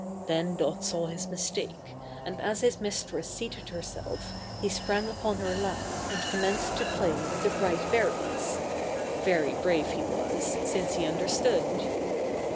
Then Dot saw his mistake, and as his mistress seated herself he sprang upon her lap and commenced to play with the bright berries very brave he was, since he understood!